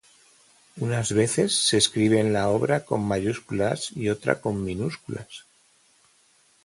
Unas veces se escribe en la obra con mayúsculas y otra con minúsculas.